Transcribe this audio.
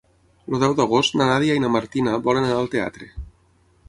El deu d'agost na Nàdia i na Martina volen anar al teatre.